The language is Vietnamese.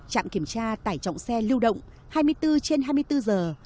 trạm kiểm tra tải trọng xe lưu động hai mươi bốn trên hai mươi bốn giờ